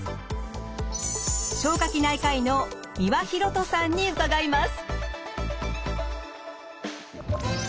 消化器内科医の三輪洋人さんに伺います。